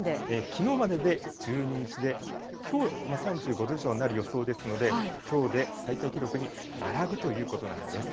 きのうまでで１２日で、きょう３５度以上になる予想ですので、きょうで最多記録に並ぶということなんです。